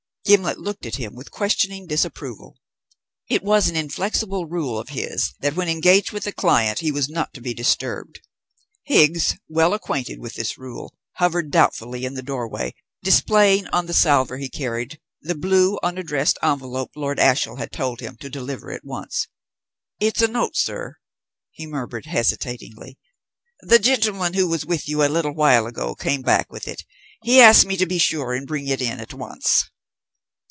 Gimblet looked at him with questioning disapproval. It was an inflexible rule of his that when engaged with a client he was not to be disturbed. Higgs, well acquainted with this rule, hovered doubtfully in the doorway, displaying on the salver he carried the blue, unaddressed envelope Lord Ashiel had told him to deliver at once. "It's a note, sir," he murmured hesitatingly. "The gentleman who was with you a little while ago came back with it. He asked me to be sure and bring it in at once."